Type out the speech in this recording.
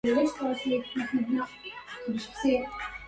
إذا نلت مأمولا على رأس برهة